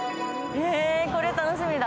これ楽しみだ。